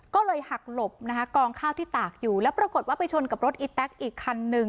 ก็เลยหักหลบนะคะกองข้าวที่ตากอยู่แล้วปรากฏว่าไปชนกับรถอีแต๊กอีกคันนึง